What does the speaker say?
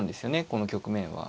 この局面は。